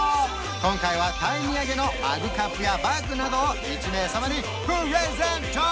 今回はタイ土産のマグカップやバッグなどを１名様にプレゼント！